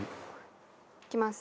いきます。